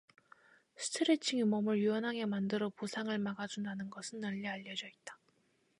스트레칭이 몸을 유연하게 만들어 부상을 막아 준다는 것은 널리 알려져 있다.